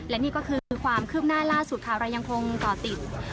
และนี่ก็คือความคืบหน้าล่าสุดค่ะเรายังคงก่อติด